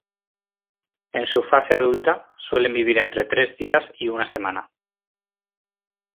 En su fase adulta, suelen vivir entre tres días y una semana.